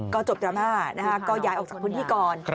ก็จบดราม่านะคะก็ย้ายออกจากพื้นที่ก่อน